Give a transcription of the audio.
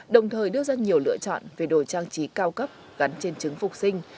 đồng thời đưa ra nhiều lựa chọn về đồ trang trí cao cấp gắn trên trứng phục sinh